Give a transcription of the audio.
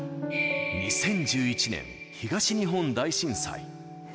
２０１１年、東日本大震災。